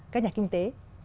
các nhà kinh tế